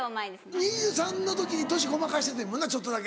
２３の時に年ごまかしててんもんなちょっとだけ。